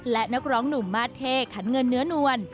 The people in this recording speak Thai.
และนักร้องหนุ่มมาสเท่ขันเงินเนื้อนวล